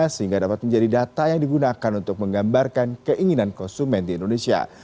sehingga dapat menjadi data yang digunakan untuk menggambarkan keinginan konsumen di indonesia